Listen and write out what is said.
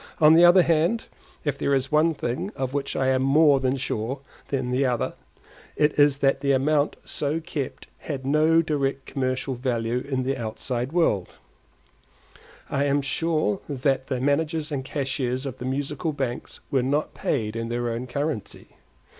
On the other hand, if there is one thing of which I am more sure than another, it is that the amount so kept had no direct commercial value in the outside world; I am sure that the managers and cashiers of the Musical Banks were not paid in their own currency.